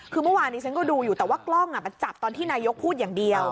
คือเมื่อวานนี้ฉันก็ดูอยู่แต่ว่ากล้องมันจับตอนที่นายกพูดอย่างเดียว